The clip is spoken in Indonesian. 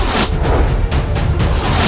aku berhutang budi kepadamu